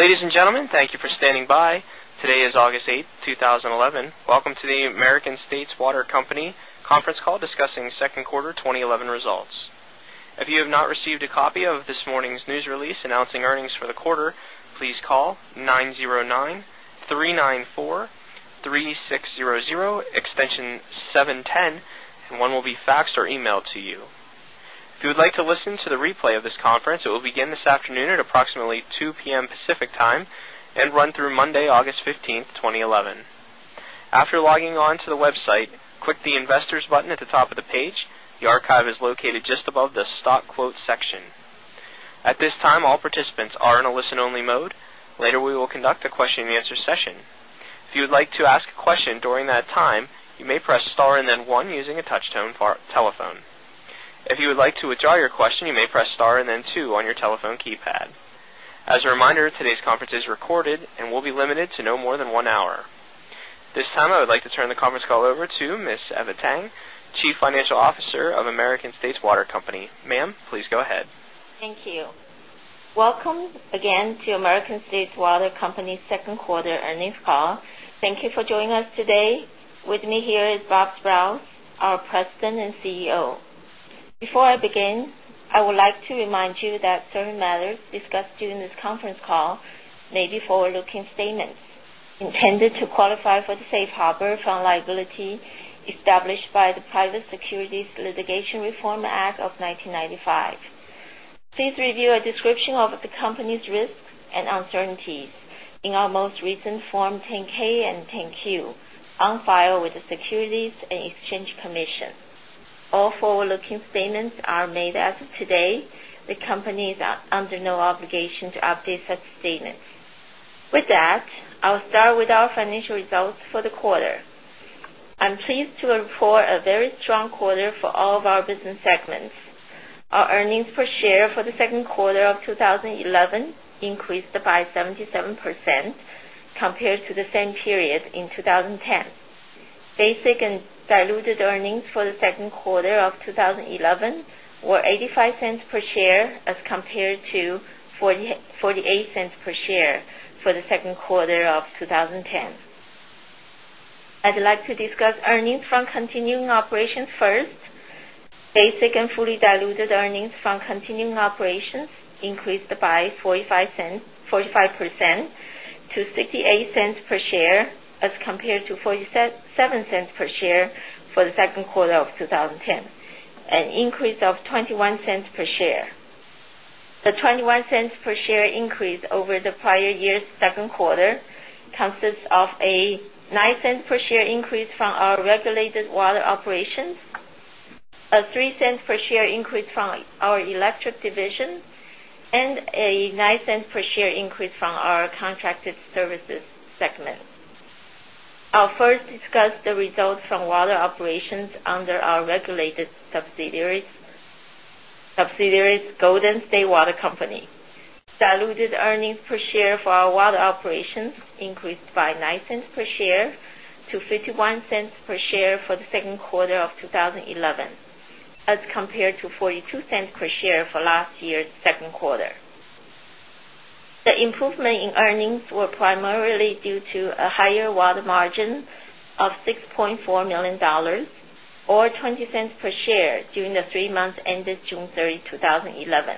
Ladies and gentlemen, thank you for standing by. Today is August 8, 2011. Welcome to the American States Water Company conference call discussing Second Quarter 2011 Results. If you have not received a copy of this morning's news release announcing earnings for the quarter, please call 909-394-3600, extension 710, and one will be faxed or emailed to you. If you would like to listen to the replay of this conference, it will begin this afternoon at approximately 2:00 P.M. Pacific Time and run through Monday, August 15, 2011. After logging onto the website, click the Investors button at the top of the page. The archive is located just above the stock quote section. At this time, all participants are in a listen-only mode. Later, we will conduct a question-and-answer session. If you would like to ask a question during that time, you may press star and then one using a touch-tone telephone. If you would like to withdraw your question, you may press star and then two on your telephone keypad. As a reminder, today's conference is recorded and will be limited to no more than one hour. At this time, I would like to turn the conference call over to Ms. Eva Tang, Chief Financial Officer of American States Water Company. Ma'am, please go ahead. Thank you. Welcome again to American States Water Company's Second Quarter Earnings Call. Thank you for joining us today. With me here is Bob Sprowls, our President and CEO. Before I begin, I would like to remind you that certain matters discussed during this conference call may be forward-looking statements intended to qualify for the safe harbor from liability established by the Private Securities Litigation Reform Act of 1995. Please review a description of the company's risks and uncertainties in our most recent Form 10-K and 10-Q on file with the Securities and Exchange Commission. All forward-looking statements are made as of today. The company is under no obligation to update such statements. With that, I will start with our financial results for the quarter. I'm pleased to report a very strong quarter for all of our business segments. Our earnings per share for the second quarter of 2011 increased by 77% compared to the same period in 2010. Basic and diluted earnings for the second quarter of 2011 were $0.85 per share as compared to $0.48 per share for the second quarter of 2010. I'd like to discuss earnings from continuing operations first. Basic and fully diluted earnings from continuing operations increased by 45% to $0.68 per share as compared to $0.47 per share for the second quarter of 2010, an increase of $0.21 per share. The $0.21 per share increase over the prior year's second quarter consists of a $0.09 per share increase from our regulated water operations, a $0.03 per share increase from our electric division, and a $0.09 per share increase from our contracted services segment. I'll first discuss the results from water operations under our regulated subsidiaries, Golden State Water Company. Diluted earnings per share for our water operations increased by $0.09 per share-$0.51 per share for the second quarter of 2011 as compared to $0.42 per share for last year's second quarter. The improvement in earnings was primarily due to a higher water margin of $6.4 million or $0.20 per share during the three months ended June 30, 2011.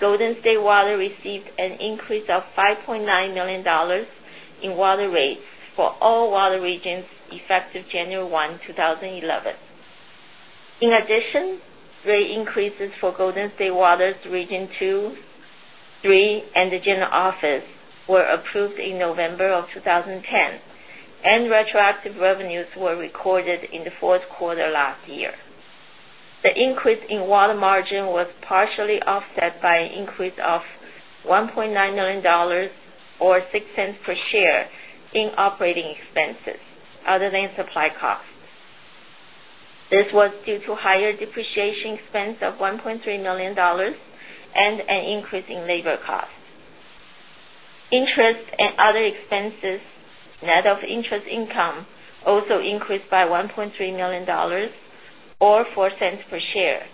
Golden State Water received an increase of $5.9 million in water rates for all water regions effective January 1, 2011. In addition, three increases for Golden State Water's Region 2, 3, and the General Office were approved in November of 2010, and retroactive revenues were recorded in the fourth quarter last year. The increase in water margin was partially offset by an increase of $1.9 million or $0.06 per share in operating expenses other than supply costs. This was due to a higher depreciation expense of $1.3 million and an increase in labor costs. Interest and other expenses net of interest income also increased by $1.3 million or $0.04 per share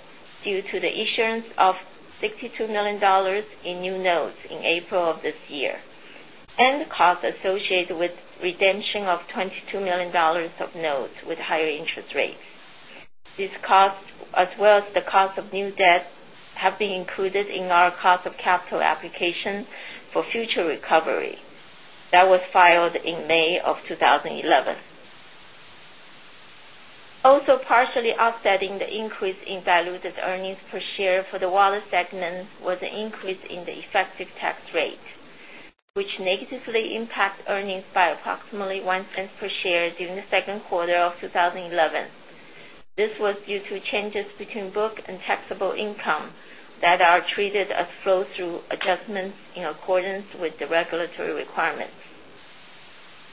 due to the issuance of $62 million in new notes in April of this year and costs associated with the redemption of $22 million of notes with higher interest rates. These costs, as well as the cost of new debts, have been included in our cost of capital application for future recovery that was filed in May of 2011. Also, partially offsetting the increase in diluted earnings per share for the water segment was an increase in the effective tax rate, which negatively impacts earnings by approximately $0.01 per share during the second quarter of 2011. This was due to changes between book and taxable income that are treated as flow-through adjustments in accordance with the regulatory requirements.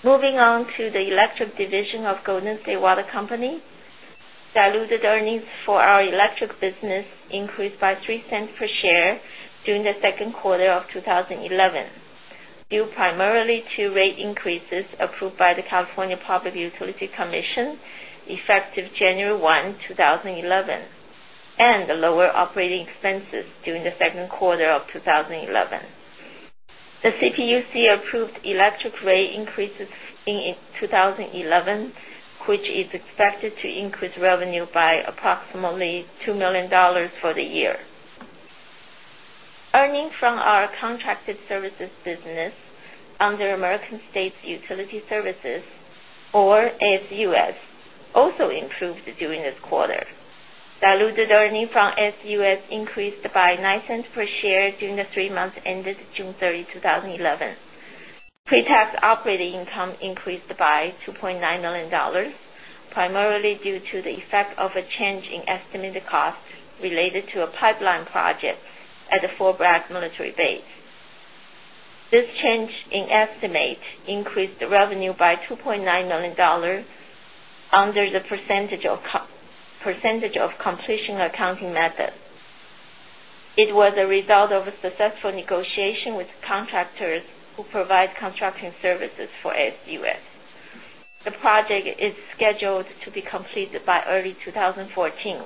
Moving on to the electric division of Golden State Water Company, diluted earnings for our electric business increased by $0.03 per share during the second quarter of 2011 due primarily to rate increases approved by the California Public Utility Commission effective January 1, 2011, and the lower operating expenses during the second quarter of 2011. The CPUC approved electric rate increases in 2011, which is expected to increase revenue by approximately $2 million for the year. Earnings from our contracted services business under American States Utility Services, or ASUS, also improved during this quarter. Diluted earnings from ASUS increased by $0.09 per share during the three months ended June 30, 2011. Pre-tax operating income increased by $2.9 million primarily due to the effect of a change in estimated costs related to a pipeline project at the Fort Bragg Military Base. This change in estimate increased the revenue by $2.9 million under the percentage of completion accounting method. It was a result of a successful negotiation with contractors who provide construction services for ASUS. The project is scheduled to be completed by early 2014.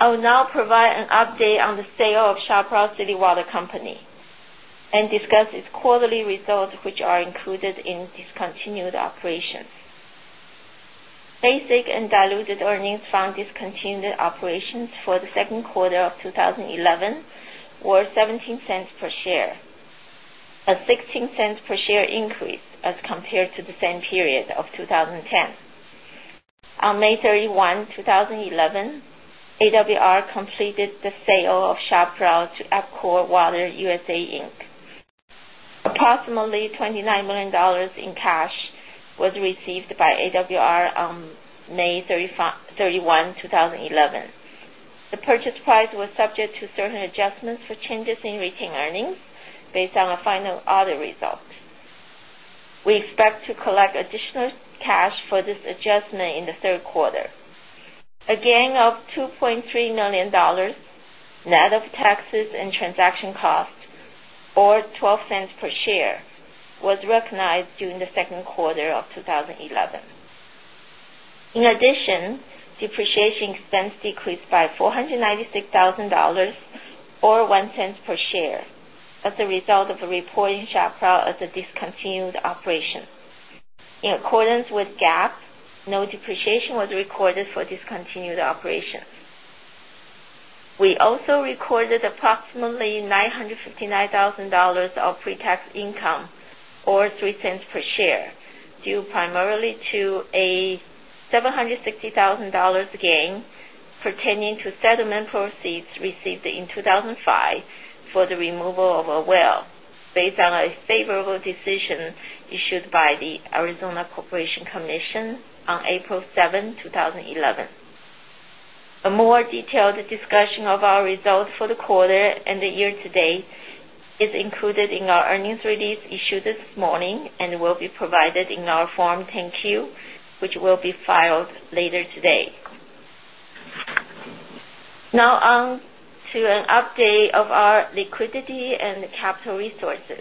I will now provide an update on the sale of Chaparral City Water Company and discuss its quarterly results, which are included in discontinued operations. Basic and diluted earnings from discontinued operations for the second quarter of 2011 were $0.17 per share, a $0.16 per share increase as compared to the same period of 2010. On May 31, 2011, AWR completed the sale of Chaparral to EPCOR Water USA Inc. Approximately $29 million in cash was received by AWRy on May 31, 2011. The purchase price was subject to certain adjustments for changes in retained earnings based on a final audit result. We expect to collect additional cash for this adjustment in the third quarter. A gain of $2.3 million net of taxes and transaction costs, or $0.12 per share, was recognized during the second quarter of 2011. In addition, depreciation expense decreased by $496,000, or $0.01 per share, as a result of reporting Chaparral as a discontinued operation. In accordance with GAAP, no depreciation was recorded for discontinued operations. We also recorded approximately $959,000 of pre-tax income, or $0.03 per share, due primarily to a $760,000 gain pertaining to settlement proceeds received in 2005 for the removal of a well based on a favorable decision issued by the Arizona Corporation Commission on April 7, 2011. A more detailed discussion of our results for the quarter and the year to date is included in our earnings release issued this morning and will be provided in our Form 10-Q, which will be filed later today. Now on to an update of our liquidity and capital resources.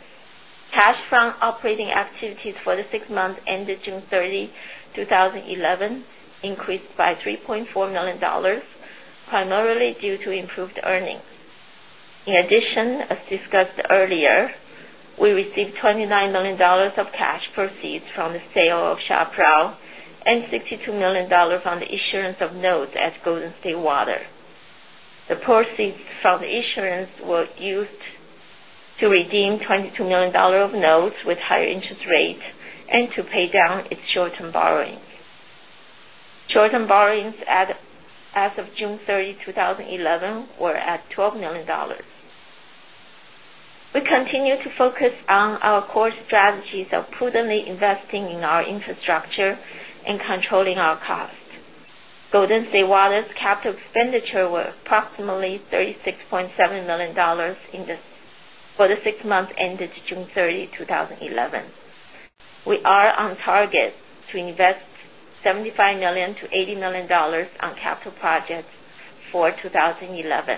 Cash from operating activities for the six months ended June 30, 2011, increased by $3.4 million primarily due to improved earnings. In addition, as discussed earlier, we received $29 million of cash proceeds from the sale of Chaparral and $62 million from the issuance of notes at Golden State Water. The proceeds from the issuance were used to redeem $22 million of notes with higher interest rates and to pay down its short-term borrowing. Short-term borrowings as of June 30, 2011, were at $12 million. We continue to focus on our core strategies of prudently investing in our infrastructure and controlling our costs. Golden State Water's capital expenditure was approximately $36.7 million for the six months ended June 30, 2011. We are on target to invest $75 million-$80 million on capital projects for 2011.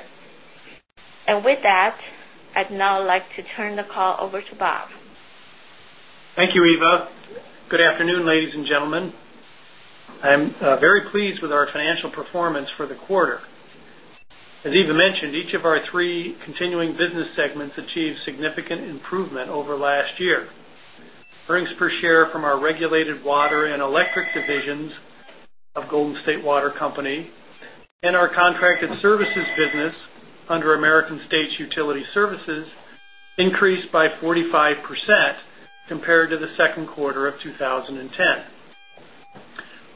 With that, I'd now like to turn the call over to Bob. Thank you, Eva. Good afternoon, ladies and gentlemen. I'm very pleased with our financial performance for the quarter. As Eva mentioned, each of our three continuing business segments achieved significant improvement over last year. Earnings per share from our regulated water and electric divisions of Golden State Water Company and our contracted services business under American States Utility Services increased by 45% compared to the second quarter of 2010.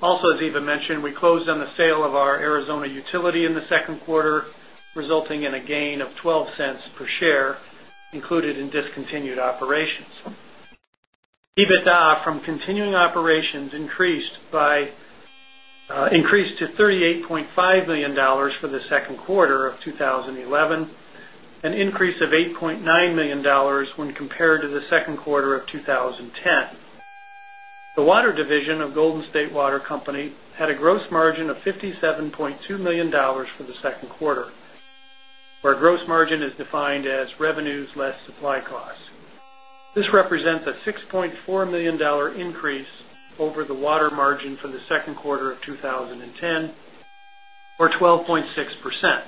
Also, as Eva mentioned, we closed on the sale of our Arizona utility in the second quarter, resulting in a gain of $0.12 per share included in discontinued operations. EBITDA from continuing operations increased to $38.5 million for the second quarter of 2011, an increase of $8.9 million when compared to the second quarter of 2010. The water division of Golden State Water Company had a gross margin of $57.2 million for the second quarter, where gross margin is defined as revenues less supply costs. This represents a $6.4 million increase over the water margin from the second quarter of 2010, or 12.6%.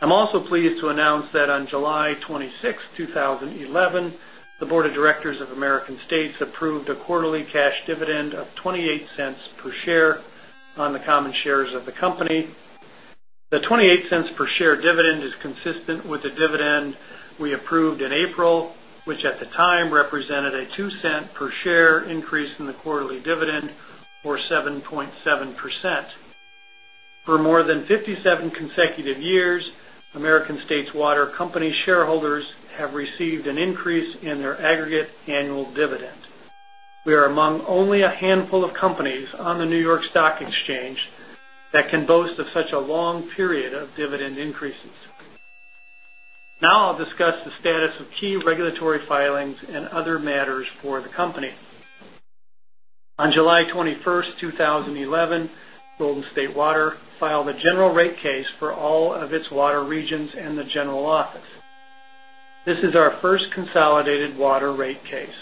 I'm also pleased to announce that on July 26th, 2011, the Board of Directors of American States approved a quarterly cash dividend of $0.28 per share on the common shares of the company. The $0.28 per share dividend is consistent with the dividend we approved in April, which at the time represented a $0.02 per share increase in the quarterly dividend or 7.7%. For more than 57 consecutive years, American States Water Company shareholders have received an increase in their aggregate annual dividend. We are among only a handful of companies on the New York Stock Exchange that can boast of such a long period of dividend increases. Now I'll discuss the status of key regulatory filings and other matters for the company. On July 21st, 2011, Golden State Water Company filed a general rate case for all of its water regions and the General Office. This is our first consolidated water rate case.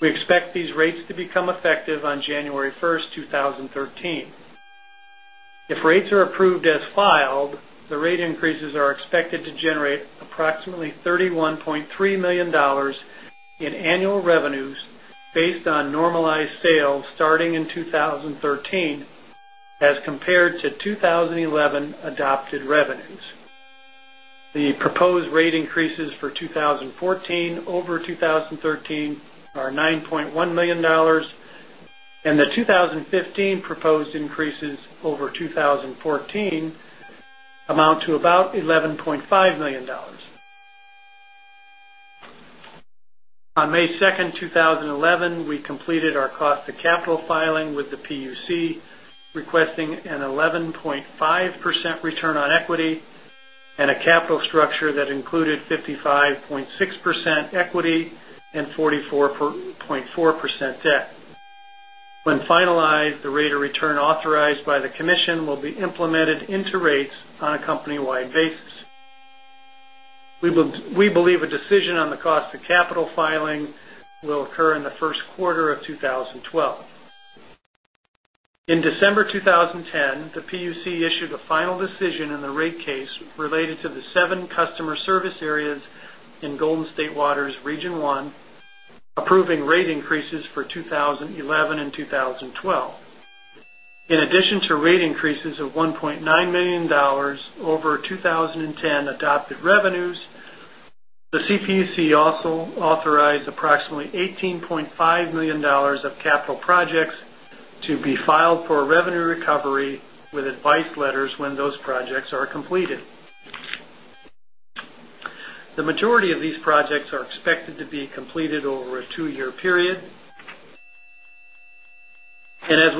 We expect these rates to become effective on January 1st, 2013. If rates are approved as filed, the rate increases are expected to generate approximately $31.3 million in annual revenues based on normalized sales starting in 2013 as compared to 2011 adopted revenues. The proposed rate increases for 2014 over 2013 are $9.1 million, and the 2015 proposed increases over 2014 amount to about $11.5 million. On May 2nd, 2011, we completed our cost of capital filing with the PUC, requesting an 11.5% return on equity and a capital structure that included 55.6% equity and 44.4% debt. When finalized, the rate of return authorized by the commission will be implemented into rates on a company-wide basis. We believe a decision on the cost of capital filing will occur in the first quarter of 2012. In December 2010, the PUC issued the final decision in the rate case related to the seven customer service areas in Golden State Water Company's Region 1, approving rate increases for 2011 and 2012. In addition to rate increases of $1.9 million over 2010 adopted revenues, the CPUC also authorized approximately $18.5 million of capital projects to be filed for revenue recovery with advice letters when those projects are completed. The majority of these projects are expected to be completed over a two-year period. This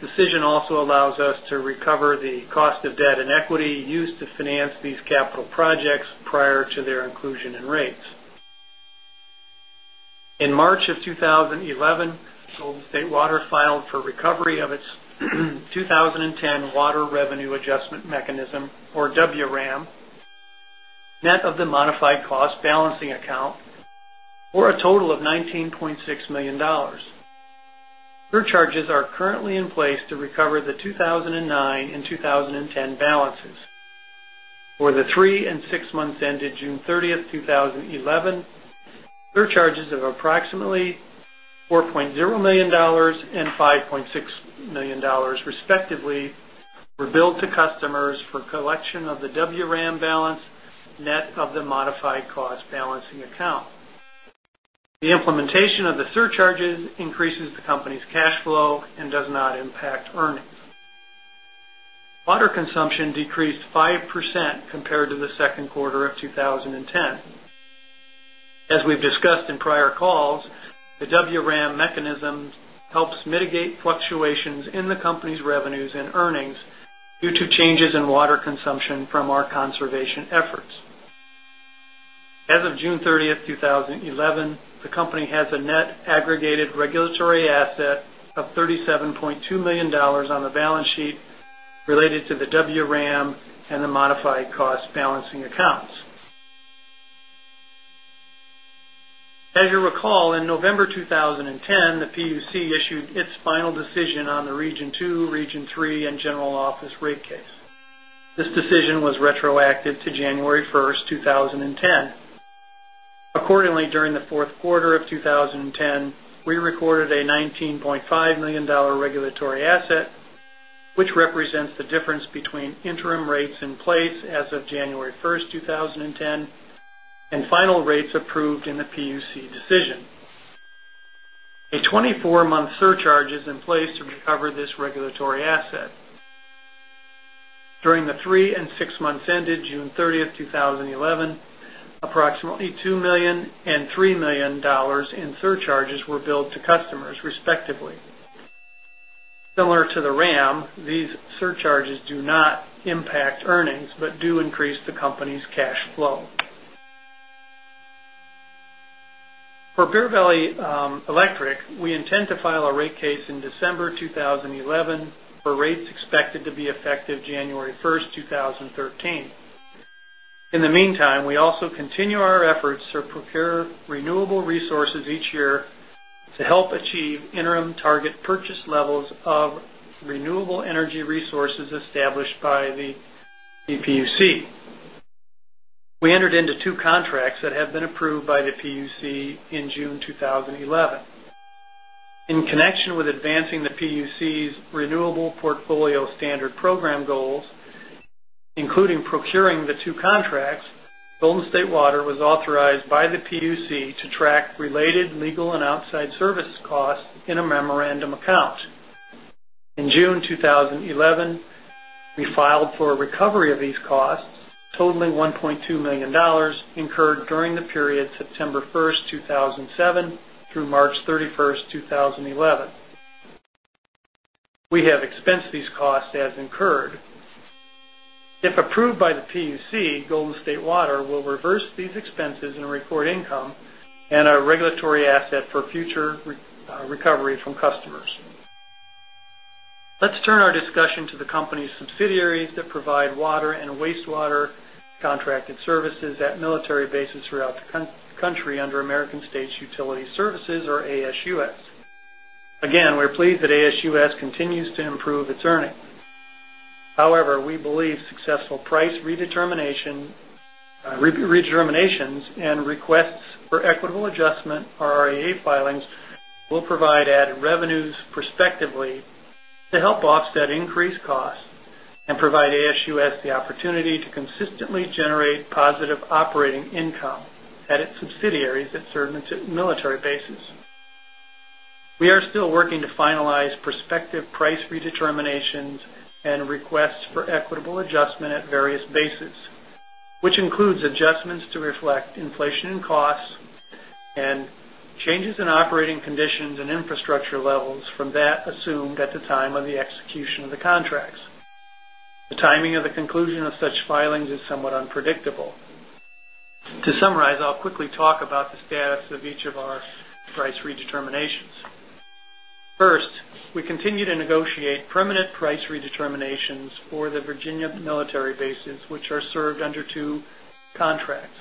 decision also allows us to recover the cost of debt and equity used to finance these capital projects prior to their inclusion in rates. In March of 2011, Golden State Water filed for recovery of its 2010 Water Revenue Adjustment Mechanism, or WRAM, net of the modified cost balancing account for a total of $19.6 million. Surcharges are currently in place to recover the 2009 and 2010 balances. For the three and six months ended June 30th, 2011, surcharges of approximately $4.0 million and $5.6 million, respectively, were billed to customers for collection of the WRAM balance net of the modified cost balancing account. The implementation of the surcharges increases the company's cash flow and does not impact earnings. Water consumption decreased 5% compared to the second quarter of 2010. As we've discussed in prior calls, the WRAM mechanism helps mitigate fluctuations in the company's revenues and earnings due to changes in water consumption from our conservation efforts. As of June 30th, 2011, the company has a net aggregated regulatory asset of $37.2 million on the balance sheet related to the WRAM and the modified cost balancing accounts. As you recall, in November 2010, the PUC issued its final decision on the Region 2, Region 3, and General Office rate case. This decision was retroactive to January 1st, 2010. Accordingly, during the fourth quarter of 2010, we recorded a $19.5 million regulatory asset, which represents the difference between interim rates in place as of January 1st, 2010, and final rates approved in the PUC decision. A 24-month surcharge is in place to recover this regulatory asset. During the three and six months ended June 30th, 2011, approximately $2 million and $3 million in surcharges were billed to customers, respectively. Similar to the WRAM, these surcharges do not impact earnings but do increase the company's cash flow. For Bear Valley Electric Service, we intend to file a rate case in December 2011 for rates expected to be effective January 1st, 2013. In the meantime, we also continue our efforts to procure renewable resources each year to help achieve interim target purchase levels of renewable energy resources established by the PUC. We entered into two contracts that have been approved by the PUC in June 2011. In connection with advancing the PUC's renewable portfolio standard program goals, including procuring the two contracts, Golden State Water was authorized by the PUC to track related legal and outside service costs in a memorandum account. In June 2011, we filed for recovery of these costs, totaling $1.2 million incurred during the period September 1st, 2007, through March 31st, 2011. We have expensed these costs as incurred. If approved by the PUC, Golden State Water will reverse these expenses and report income and a regulatory asset for future recovery from customers. Let's turn our discussion to the company's subsidiaries that provide water and wastewater contracted services at military bases throughout the country under American States Utility Services, or ASUS. Again, we're pleased that ASUS continues to improve its earnings. However, we believe successful price redeterminations and requests for equitable adjustment, or REA filings, will provide added revenues, respectively, to help offset increased costs and provide ASUS the opportunity to consistently generate positive operating income at its subsidiaries that serve military bases. We are still working to finalize prospective price redeterminations and requests for equitable adjustment at various bases, which includes adjustments to reflect inflation in costs and changes in operating conditions and infrastructure levels from that assumed at the time of the execution of the contracts. The timing of the conclusion of such filings is somewhat unpredictable. To summarize, I'll quickly talk about the status of each of our price redeterminations. First, we continue to negotiate permanent price redeterminations for the Virginia military bases, which are served under two contracts.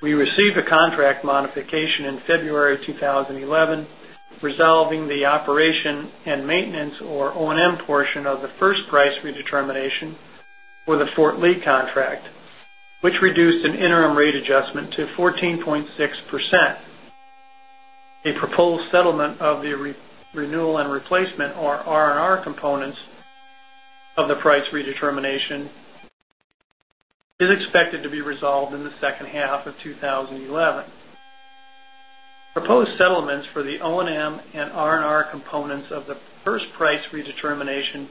We received a contract modification in February 2011 resolving the operation and maintenance, or O&M, portion of the first price redetermination for the Fort Lee contract, which reduced an interim rate adjustment to 14.6%. A proposed settlement of the renewal and replacement, or R&R, components of the price redetermination is expected to be resolved in the second half of 2011. Proposed settlements for the O&M and R&R components of the first price redetermination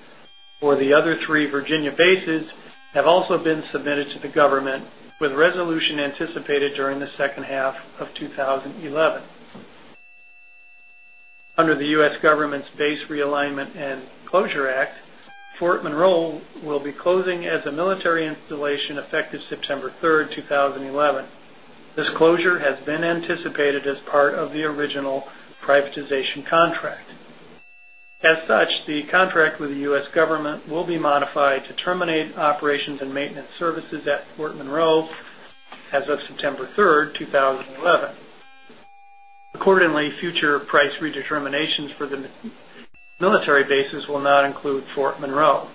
for the other three Virginia bases have also been submitted to the government, with resolution anticipated during the second half of 2011. Under the U.S. government's Base Realignment and Closure Act, Fort Monroe will be closing as a military installation effective September 3rd, 2011. This closure has been anticipated as part of the original privatization contract. As such, the contract with the U.S. government will be modified to terminate operations and maintenance services at Fort Monroe as of September 3rd, 2011. Accordingly, future price redeterminations for the military bases will not include Fort Monroe.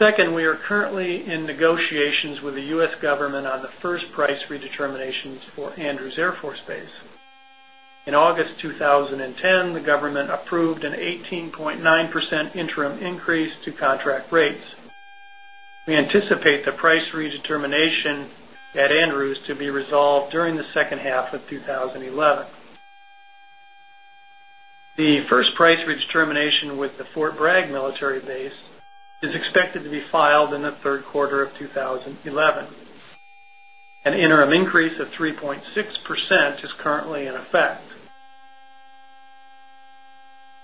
Second, we are currently in negotiations with the U.S. government on the first price redeterminations for Andrews Air Force Base. In August 2010, the government approved an 18.9% interim increase to contract rates. We anticipate the price redetermination at Andrews to be resolved during the second half of 2011. The first price redetermination with the Fort Bragg military base is expected to be filed in the third quarter of 2011. An interim increase of 3.6% is currently in effect.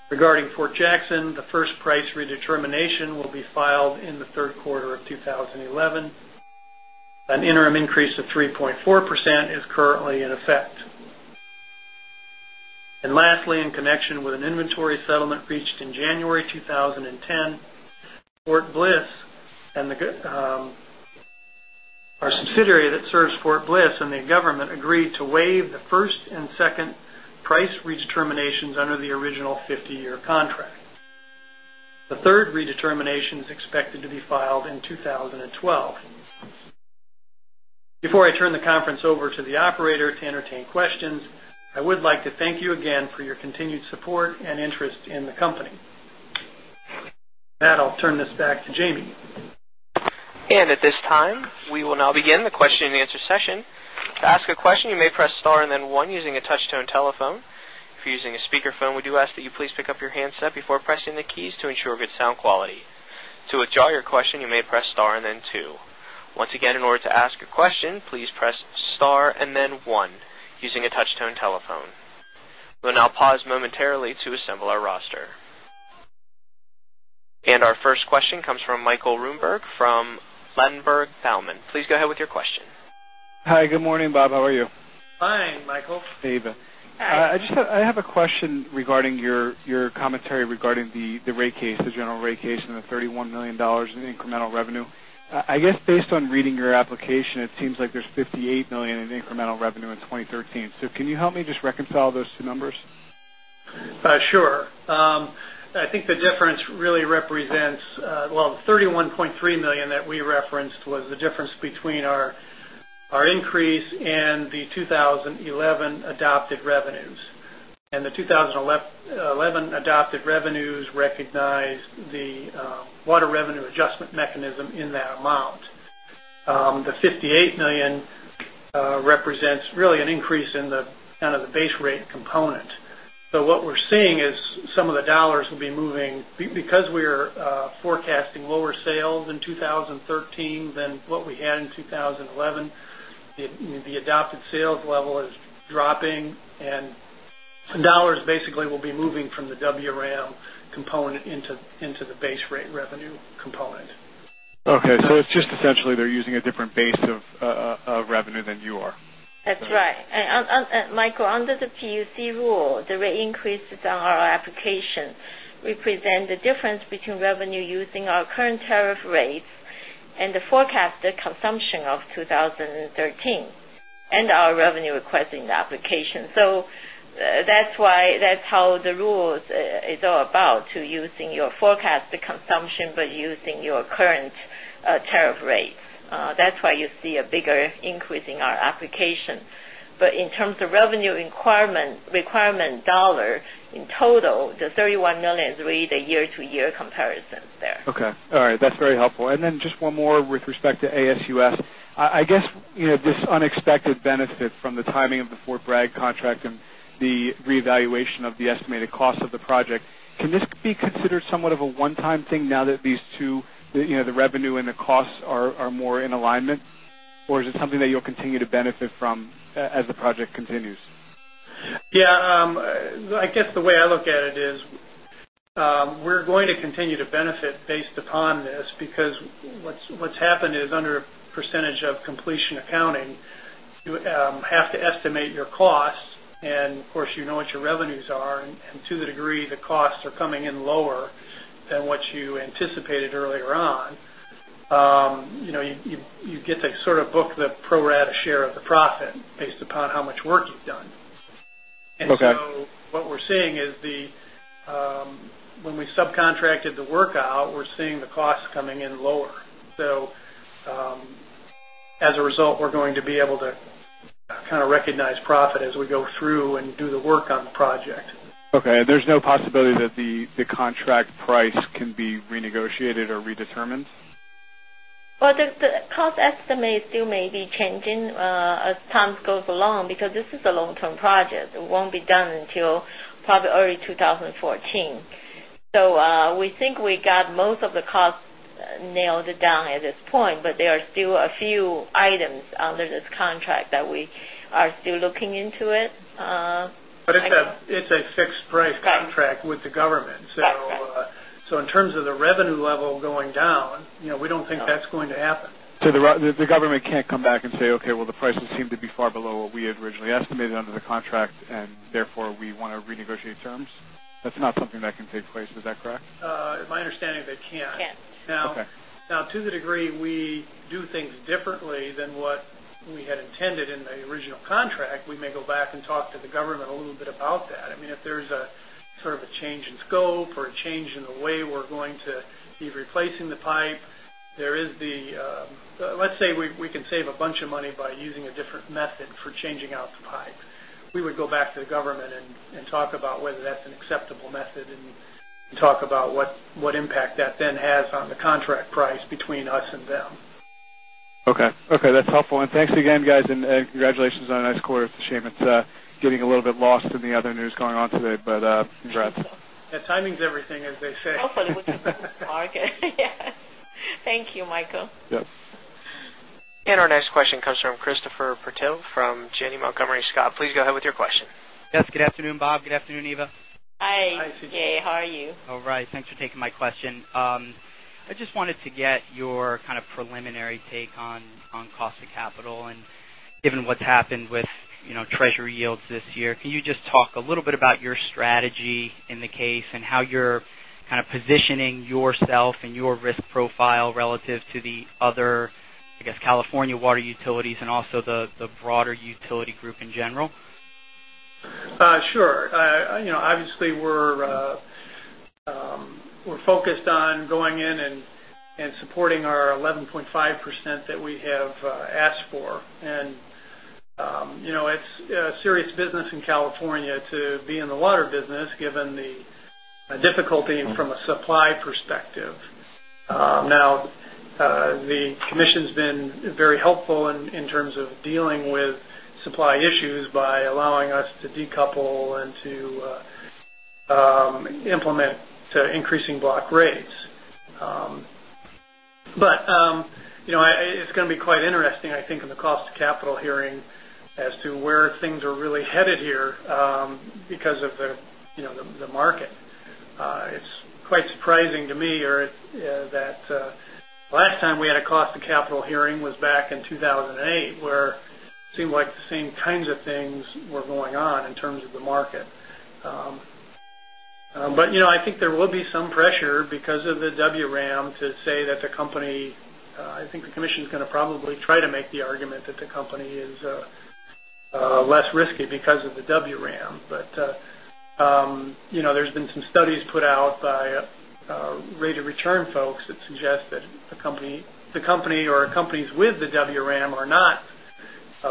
Regarding Fort Jackson, the first price redetermination will be filed in the third quarter of 2011. An interim increase of 3.4% is currently in effect. Lastly, in connection with an inventory settlement reached in January 2010, Fort Bliss, our subsidiary that serves Fort Bliss and the government, agreed to waive the first and second price redeterminations under the original 50-year contract. The third redetermination is expected to be filed in 2012. Before I turn the conference over to the operator to entertain questions, I would like to thank you again for your continued support and interest in the company. With that, I'll turn this back to Jamie. At this time, we will now begin the question-and-answer session. To ask a question, you may press star and then one using a touch-tone telephone. If you're using a speakerphone, we do ask that you please pick up your handset before pressing the keys to ensure good sound quality. To withdraw your question, you may press star and then two. Once again, in order to ask a question, please press star and then one using a touch-tone telephone. We'll now pause momentarily to assemble our roster. Our first question comes from Michael Roomberg from Ladenburg Thalmann. Please go ahead with your question. Hi. Good morning, Bob. How are you? Hi, Michael. Eva. Hi. I just have a question regarding your commentary regarding the rate case, the consolidated general rate case, and the $31 million in incremental annual revenue. I guess based on reading your application, it seems like there's $58 million in incremental annual revenue in 2013. Can you help me just reconcile those two numbers? Sure. I think the difference really represents, the $31.3 million that we referenced was the difference between our increase and the 2011 adopted revenues. The 2011 adopted revenues recognize the Water Revenue Adjustment Mechanism in that amount. The $58 million represents really an increase in the kind of the base rate component. What we're seeing is some of the dollars will be moving because we are forecasting lower sales in 2013 than what we had in 2011. The adopted sales level is dropping, and dollars basically will be moving from the WRAM component into the base rate revenue component. Okay. It's just essentially they're using a different base of revenue than you are. That's right. Michael, under the PUC rule, the rate increases on our application represent the difference between revenue using our current tariff rates and the forecasted consumption of 2013 and our revenue requesting the application. That's how the rules are about using your forecasted consumption but using your current tariff rates. That's why you see a bigger increase in our application. In terms of revenue requirement dollar in total, the $31 million is really the year-to-year comparison there. Okay. All right. That's very helpful. Just one more with respect to ASUS. I guess, you know, this unexpected benefit from the timing of the Fort Bragg contract and the reevaluation of the estimated costs of the project, can this be considered somewhat of a one-time thing now that these two, you know, the revenue and the costs are more in alignment? Is it something that you'll continue to benefit from as the project continues? Yeah. I guess the way I look at it is we're going to continue to benefit based upon this because what's happened is under a percentage of completion accounting, you have to estimate your costs. Of course, you know what your revenues are. To the degree the costs are coming in lower than what you anticipated earlier on, you get to sort of book the pro rata share of the profit based upon how much work you've done. What we're seeing is when we subcontracted the work out, we're seeing the costs coming in lower. As a result, we're going to be able to kind of recognize profit as we go through and do the work on the project. Okay. There's no possibility that the contract price can be renegotiated or redetermined? The cost estimates still may be changing as time goes along because this is a long-term project. It won't be done until probably early 2014. We think we got most of the costs nailed down at this point, but there are still a few items under this contract that we are still looking into. It is a fixed price contract with the government. In terms of the revenue level going down, you know, we don't think that's going to happen. The government can't come back and say, "Okay. The prices seem to be far below what we had originally estimated under the contract, and therefore we want to renegotiate terms"? That's not something that can take place. Is that correct? My understanding is they can't. Can't. Okay. Now, to the degree we do things differently than what we had intended in the original contract, we may go back and talk to the government a little bit about that. If there's a sort of a change in scope or a change in the way we're going to be replacing the pipe, let's say we can save a bunch of money by using a different method for changing out the pipe, we would go back to the government and talk about whether that's an acceptable method and talk about what impact that then has on the contract price between us and them. Okay. That's helpful. Thanks again, guys, and congratulations on a nice quarter. It's a shame it's getting a little bit lost in the other news going on today, but congrats. Yeah, timing's everything, as they say. Hopefully, it wasn't too long. Thank you, Michael. Yes. Our next question comes from Christopher Patil from Janney Montgomery Scott. Please go ahead with your question. Yes. Good afternoon, Bob. Good afternoon, Eva. Hi. Hi. It's okay. How are you? All right. Thanks for taking my question. I just wanted to get your kind of preliminary take on cost of capital. Given what's happened with, you know, Treasury yields this year, can you just talk a little bit about your strategy in the case and how you're kind of positioning yourself and your risk profile relative to the other, I guess, California water utilities and also the broader utility group in general? Sure. Obviously, we're focused on going in and supporting our 11.5% that we have asked for. It's a serious business in California to be in the water business given the difficulty from a supply perspective. The commission's been very helpful in terms of dealing with supply issues by allowing us to decouple and to implement increasing block rates. It's going to be quite interesting, I think, in the cost of capital hearing as to where things are really headed here because of the market. It's quite surprising to me that the last time we had a cost of capital hearing was back in 2008 where it seemed like the same kinds of things were going on in terms of the market. I think there will be some pressure because of the WRAM to say that the company, I think the commission's going to probably try to make the argument that the company is less risky because of the WRAM. There have been some studies put out by rate of return folks that suggest that the company or companies with the WRAM are not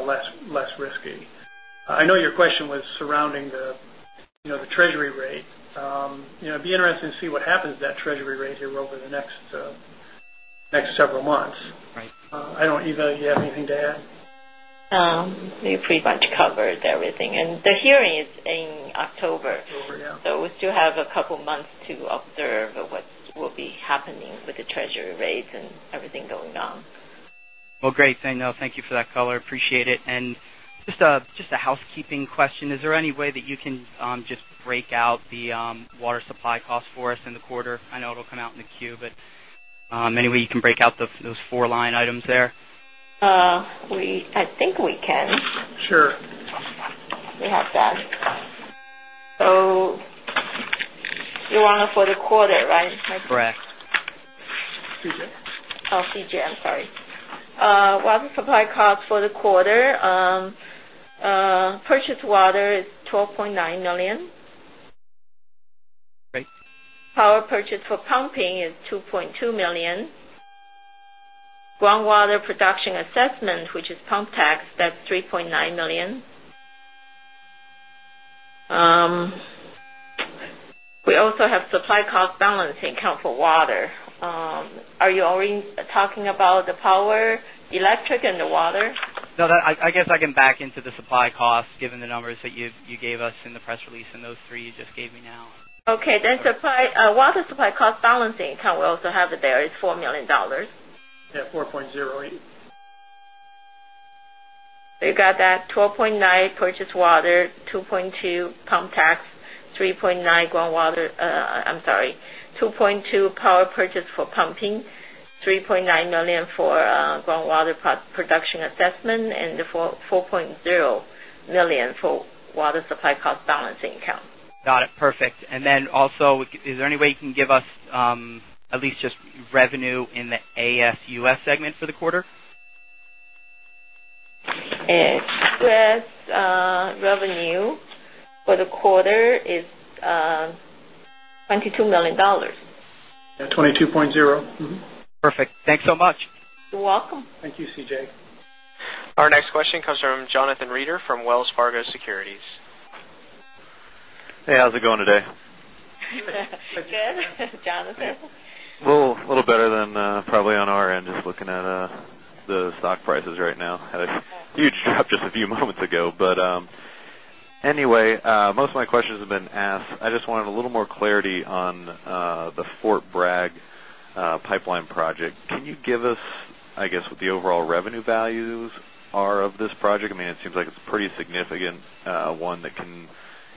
less risky. I know your question was surrounding the Treasury rate. It'd be interesting to see what happens to that Treasury rate here over the next several months. Right. I don't know. Eva, you have anything to add? I think we've already covered everything. The hearing is in October. October, yeah. We still have a couple of months to observe what will be happening with the Treasury rates and everything going on. Thank you for that call. I appreciate it. Just a housekeeping question. Is there any way that you can just break out the water supply costs for us in the quarter? I know it'll come out in the Q, but any way you can break out those four line items there? I think we can. Sure. We have that. You want to for the quarter, right, Michael? Correct. CJ? I'm sorry. Water supply costs for the quarter. Purchased water is $12.9 million. Okay. Power purchase for pumping is $2.2 million. Groundwater production assessment, which is pump tax, that's $3.9 million. We also have supply cost balancing account for water. Are you only talking about the power, electric, and the water? I guess I can back into the supply costs given the numbers that you gave us in the press release and those three you just gave me now. Okay. The supply cost balancing account, we also have it there. It's $4 million. Yeah, $4.08 milion. You got that $12.9 million purchased water, $2.2 million pump tax, $3.9 million groundwater—I'm sorry, $2.2 million power purchase for pumping, $3.9 million for groundwater production assessment, and $4.0 million for water supply cost balancing account. Got it. Perfect. Is there any way you can give us at least just revenue in the ASUS segment for the quarter? ASUS revenue for the quarter is $22 million. Yeah, $22.0 million. Perfect. Thanks so much. You're welcome. Thank you, CJ. Our next question comes from Jonathan Reeder from Wells Fargo Securities. Hey, how's it going today? It's good, Jonathan. Oh, a little better than probably on our end just looking at the stock prices right now. Had a huge drop just a few moments ago. Anyway, most of my questions have been asked. I just wanted a little more clarity on the Fort Bragg pipeline project. Can you give us, I guess, what the overall revenue values are of this project? I mean, it seems like it's a pretty significant one that can,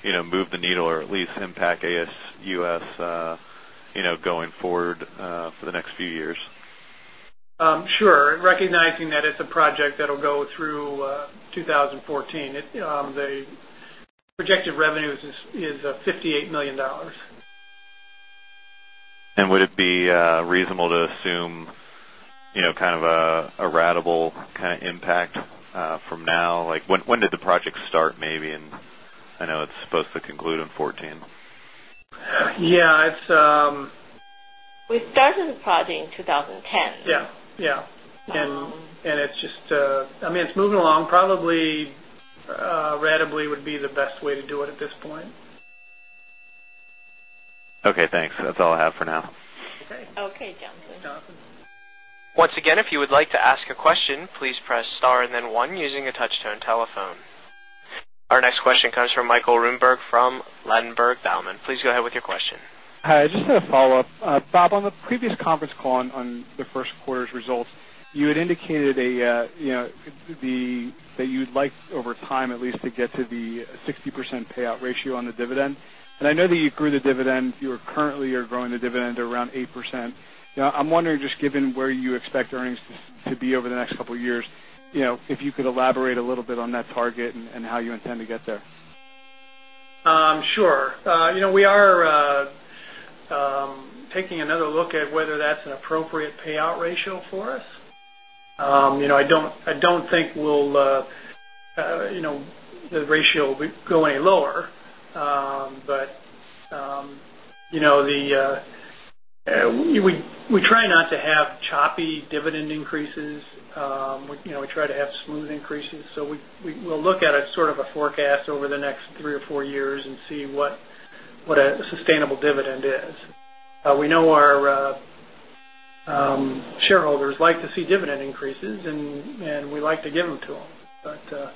you know, move the needle or at least impact ASUS, you know, going forward for the next few years. Sure. Recognizing that it's a project that'll go through 2014, the projected revenue is $58 million. Would it be reasonable to assume, you know, kind of a ratable kind of impact from now? When did the project start, maybe? I know it's supposed to conclude in 2014. Yeah. We started the project in 2010. Yeah, it's just, I mean, it's moving along. Probably ratably would be the best way to do it at this point. Okay, thanks. That's all I have for now. Okay. Okay, Jonathan. Jonathan, once again, if you would like to ask a question, please press star and then one using a touch-tone telephone. Our next question comes from Michael Roomberg from Ladenburg Thalmann. Please go ahead with your question. Hi. I just had a follow-up. Bob, on the previous conference call on the first quarter's results, you had indicated that you'd like over time, at least, to get to the 60% payout ratio on the dividend. I know that you grew the dividend. You currently are growing the dividend around 8%. Now, I'm wondering, just given where you expect earnings to be over the next couple of years, if you could elaborate a little bit on that target and how you intend to get there. Sure. We are taking another look at whether that's an appropriate payout ratio for us. I don't think the ratio will go any lower. We try not to have choppy dividend increases. We try to have smooth increases. We'll look at a sort of a forecast over the next three or four years and see what a sustainable dividend is. We know our shareholders like to see dividend increases, and we like to give them to them.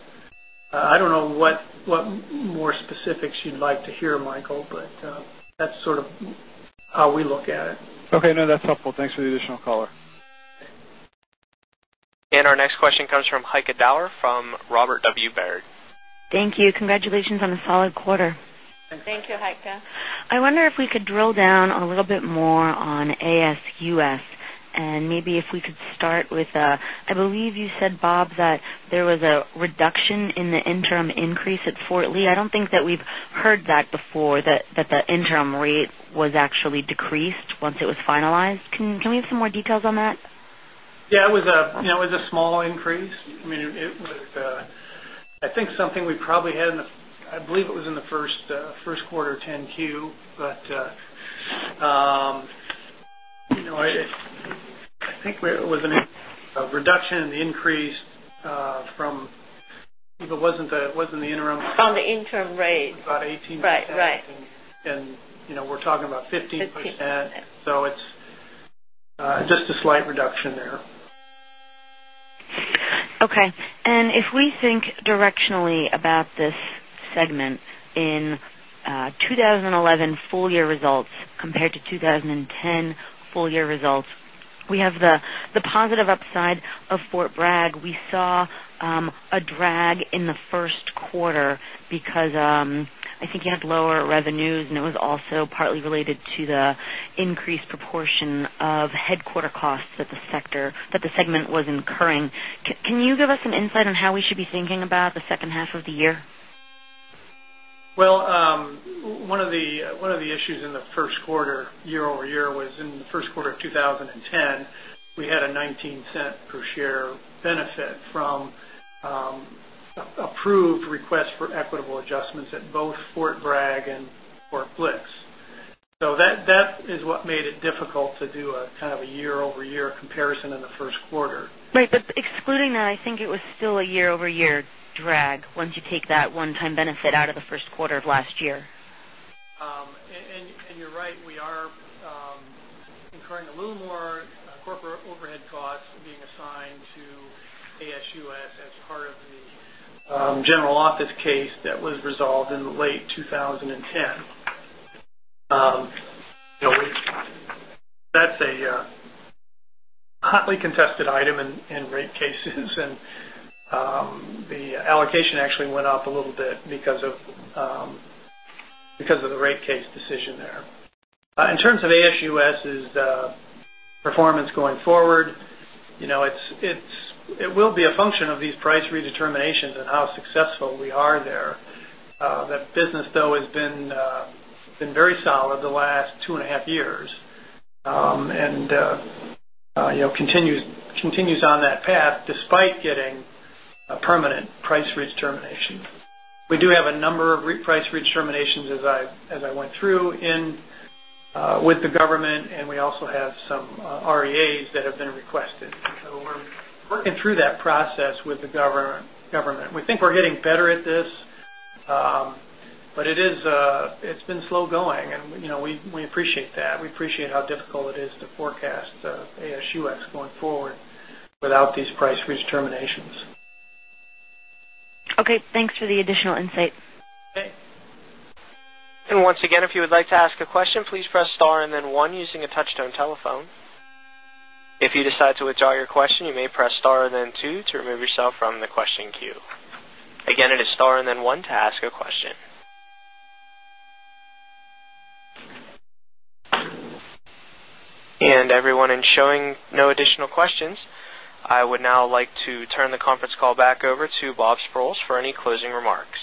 I don't know what more specifics you'd like to hear, Michael, but that's sort of how we look at it. Okay, no, that's helpful. Thanks for the additional color. Our next question comes from Heike Doerr from Robert W. Baird. Thank you. Congratulations on a solid quarter. Thank you, Heike. I wonder if we could drill down a little bit more on ASUS and maybe if we could start with, I believe you said, Bob, that there was a reduction in the interim increase at Fort Lee. I don't think that we've heard that before, that the interim rate was actually decreased once it was finalized. Can we have some more details on that? Yeah. It was a small increase. I mean, it was, I think, something we probably had in the, I believe it was in the first quarter 10-Q. I think it was a reduction in the increase from, Eva, wasn't the interim? From the interim rate. About 18%. Right. Right. We're talking about 15%. It's just a slight reduction there. Okay. If we think directionally about this segment in 2011 full-year results compared to 2010 full-year results, we have the positive upside of Fort Bragg. We saw a drag in the first quarter because I think you had lower revenues, and it was also partly related to the increased proportion of headquarter costs that the segment was incurring. Can you give us some insight on how we should be thinking about the second half of the year? One of the issues in the first quarter, year-over-year, was in the first quarter of 2010, we had a $0.19 per share benefit from approved requests for equitable adjustments at both Fort Bragg and Fort Bliss. That is what made it difficult to do a kind of a year-over-year comparison in the first quarter. Right. Excluding that, I think it was still a year-over-year drag once you take that one-time benefit out of the first quarter of last year. You're right. We are incurring a little more corporate overhead costs being assigned to ASUS as part of the General Office case that was resolved in late 2010. That's a hotly contested item in rate cases, and the allocation actually went up a little bit because of the rate case decision there. In terms of ASUS's performance going forward, it will be a function of these price redeterminations and how successful we are there. That business has been very solid the last two and a half years and continues on that path despite getting permanent price redeterminations. We do have a number of price redeterminations, as I went through with the government, and we also have some REAs that have been requested. We're working through that process with the government. We think we're getting better at this, but it's been slow going, and we appreciate that. We appreciate how difficult it is to forecast ASUS going forward without these price redeterminations. Okay, thanks for the additional insights. Thanks. Once again, if you would like to ask a question, please press star and then one using a touch-tone telephone. If you decide to withdraw your question, you may press star and then two to remove yourself from the question queue. Again, it is star and then one to ask a question. Seeing no additional questions, I would now like to turn the conference call back over to Bob Sprowls for any closing remarks.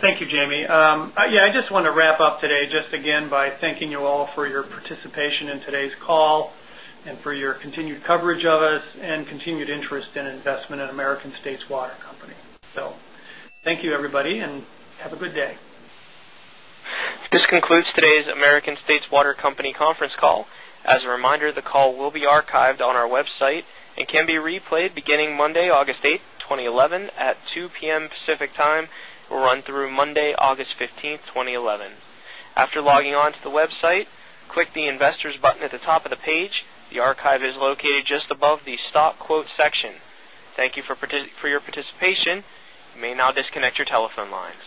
Thank you, Jamie. I just want to wrap up today by thanking you all for your participation in today's call and for your continued coverage of us and continued interest in investment in American States Water Company. Thank you, everybody, and have a good day. This concludes today's American States Water Company conference call. As a reminder, the call will be archived on our website and can be replayed beginning Monday, August 8, 2011, at 2:00 P.M. Pacific Time. It will run through Monday, August 15, 2011. After logging on to the website, click the Investors button at the top of the page. The archive is located just above the Stock Quote section. Thank you for your participation. You may now disconnect your telephone lines.